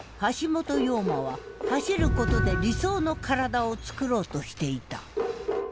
陽馬は走ることで理想の身体をつくろうとしていた。